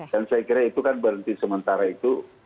dan saya kira itu kan berhenti sementara itu